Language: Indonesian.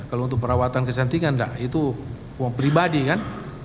kalau untuk perawatan kesentingan dah itu uang pribadi kan